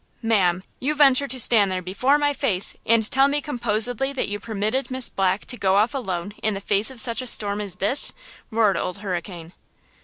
"Ma'am! You venture to stand there before my face and tell me composedly that you permitted Miss Black to go off alone in the face of such a storm as this?" roared Old Hurricane.